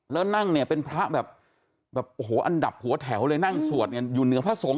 แล้วนั่งเนี่ยเป็นพระแบบโอ้โหอันดับหัวแถวเลยนั่งสวดเนี่ยอยู่เหนือพระสงฆ